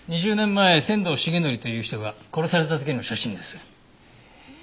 ２０年前仙道重則という人が殺された時の写真です。